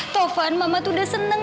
tovan mama tuh udah seneng